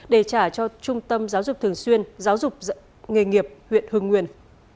để trả cho trung tâm giáo dục thường xuyên giáo dục nghề nghiệp huyện hương nguyên